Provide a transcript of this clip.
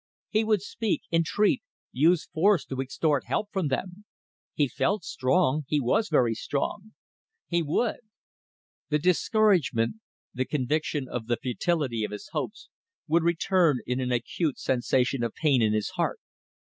He would speak, entreat use force to extort help from them. He felt strong; he was very strong. He would ... The discouragement, the conviction of the futility of his hopes would return in an acute sensation of pain in his heart.